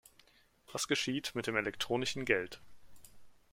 Was geschieht mit dem elektronischen Geld?